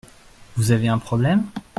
Vous avez un problème ?